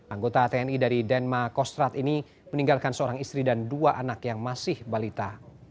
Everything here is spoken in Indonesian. anggota tni dari denma kostrat ini meninggalkan seorang istri dan dua anak yang masih balita